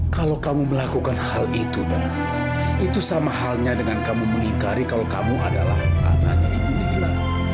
kalau kamu melakukan hal itu itu sama halnya dengan kamu mengingkari kalau kamu adalah anak